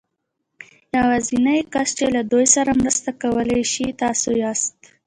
يوازېنی کس چې له دوی سره مرسته کولای شي تاسې ياست.